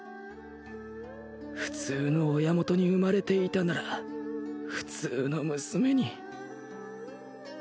普通の親元に生まれていたなら普通の娘に